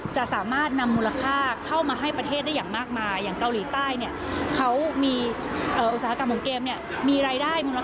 จะสามารถนำมูลค่าเข้ามาให้ประเทศได้อย่างมากมาย